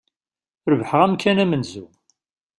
Rebḥeɣ amkan amenzu.